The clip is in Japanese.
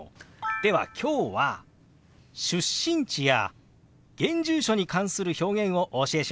では今日は出身地や現住所に関する表現をお教えしましょう！